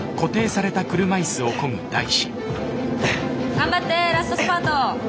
頑張ってラストスパート。